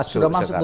kan sudah masuk